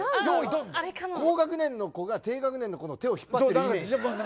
高学年の子が低学年の子の手を引っ張ってるイメージ。